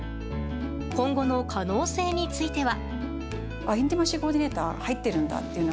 今後の可能性については？